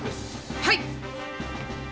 はい！